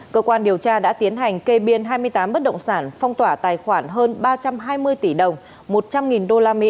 cơ quan điều tra đã tiến hành kê biên hai mươi tám bất động sản phong tỏa tài khoản hơn ba trăm hai mươi tỷ đồng một trăm linh usd